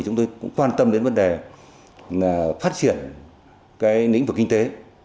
chúng tôi cũng quan tâm đến vấn đề là phát triển cái lĩnh vực kinh tế